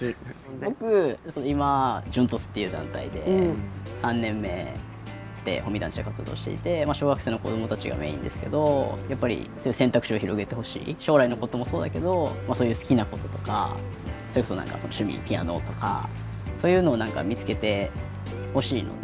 僕今ＪＵＮＴＯＳっていう団体で３年目で保見団地で活動していて小学生の子どもたちがメインですけどやっぱり選択肢を広げてほしい将来のこともそうだけどそういう好きなこととかそれこそ何か趣味ピアノとかそういうのを何か見つけてほしいので。